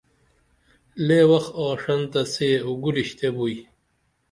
لے وخ آشنتہ سے اوگورشتے بوئی